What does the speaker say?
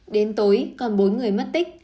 đến tối còn bốn người mất tích